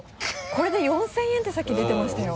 これで４０００円ってさっき出てましたよ。